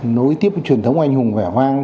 nối tiếp truyền thống anh hùng vẻ vang